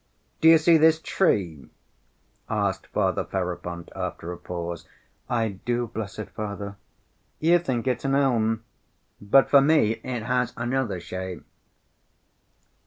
"Do you see this tree?" asked Father Ferapont, after a pause. "I do, blessed Father." "You think it's an elm, but for me it has another shape."